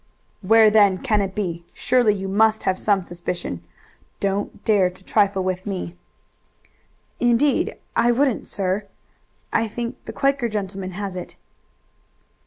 "Where then can it be? Surely you must have some suspicion. Don't dare to trifle with me." "Indeed I wouldn't, sir. I think the Quaker gentleman has it."